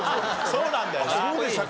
そうなんだよな。